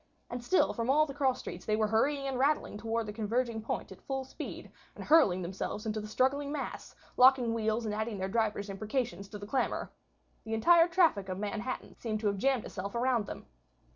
And still from all the cross streets they were hurrying and rattling toward the converging point at full speed, and hurling themselves into the struggling mass, locking wheels and adding their drivers' imprecations to the clamour. The entire traffic of Manhattan seemed to have jammed itself around them.